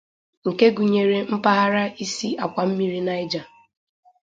nke gụnyere mpaghara isi àkwà mmiri Niger